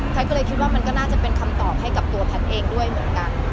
ก็เลยคิดว่ามันก็น่าจะเป็นคำตอบให้กับตัวแพทย์เองด้วยเหมือนกัน